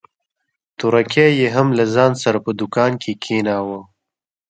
تورکى يې هم له ځان سره په دوکان کښې کښېناوه.